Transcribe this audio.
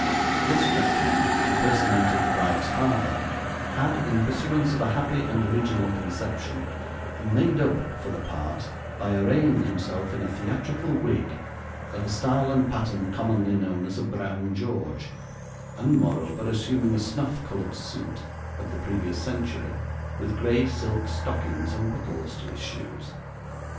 This gentleman, who personated the bride's father, had, in pursuance of a happy and original conception, 'made up' for the part by arraying himself in a theatrical wig, of a style and pattern commonly known as a brown George, and moreover assuming a snuff coloured suit, of the previous century, with grey silk stockings, and buckles to his shoes.